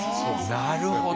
なるほど。